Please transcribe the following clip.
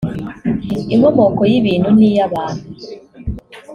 inkomoko y’ibintu n’iy’Abantu